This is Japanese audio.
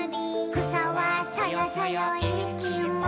「くさはそよそよいいきもち」